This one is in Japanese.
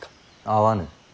会わぬ。